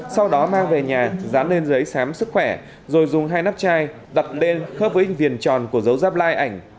sau đó mang về nhà dán lên giấy xám sức khỏe rồi dùng hai nắp chai đặt đen khớp với ích viền tròn của dấu giáp lai ảnh